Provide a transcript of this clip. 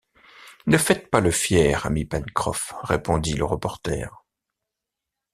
Ne faites pas le fier, ami Pencroff, répondit le reporter